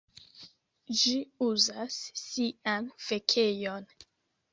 ĝi uzas sian fekejon.